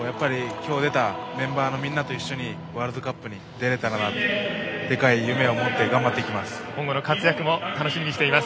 今日出たメンバーのみんなと一緒にワールドカップに出れたらなとでかい夢を持って頑張っていきます。